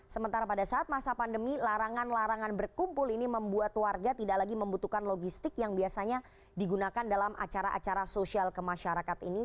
sementara pada saat masa pandemi larangan larangan berkumpul ini membuat warga tidak lagi membutuhkan logistik yang biasanya digunakan dalam acara acara sosial ke masyarakat ini